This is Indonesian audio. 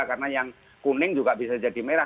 karena yang kuning juga bisa jadi merah